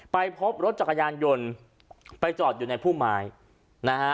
ไปพบรถจักรยานยนต์ไปจอดอยู่ในพุ่มไม้นะฮะ